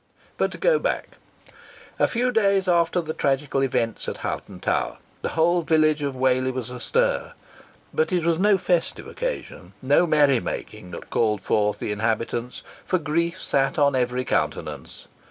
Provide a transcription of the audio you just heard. But to go back. A few days after the tragical events at Hoghton Tower, the whole village of Whalley was astir. But it was no festive occasion no merry making that called forth the inhabitants, for grief sat upon every countenance.